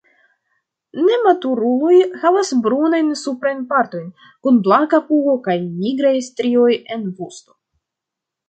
Nematuruloj havas brunajn suprajn partojn, kun blanka pugo kaj nigraj strioj en vosto.